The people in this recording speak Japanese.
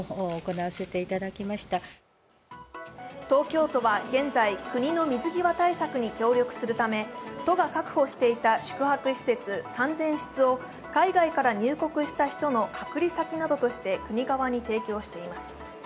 東京都は現在、国の水際対策に協力するため都が確保していた宿泊施設３０００室を海外から入国した人の隔離先などとして国側に提供しています。